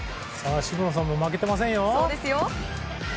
渋野さんも負けていませんよ。